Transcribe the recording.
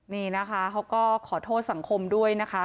นี่นะคะเขาก็ขอโทษสังคมด้วยนะคะ